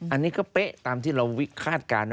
อันนี้ก็เป๊ะตามที่เราคาดการณ์นะ